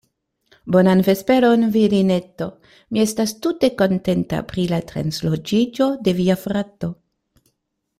Bonan vesperon, virineto; mi estas tute kontenta pri la transloĝiĝo de via frato.